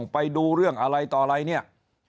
ไปดูเรื่องอะไรต่ออะไรเนี่ย